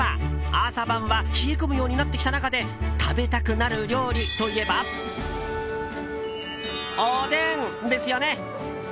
朝晩は冷え込むようになってきた中で食べたくなる料理といえばおでんですよね！